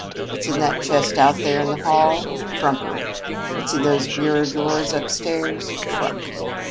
What's in that chest out there in the hall? Trumpery! What's in those bureau drawers upstairs? Truck!